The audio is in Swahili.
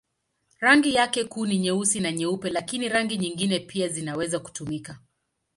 Rangi yake kuu ni nyeusi na nyeupe, lakini rangi nyingine pia zinaweza kutumika.